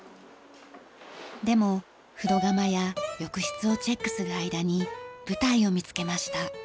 でも風呂釜や浴室をチェックする間に舞台を見つけました。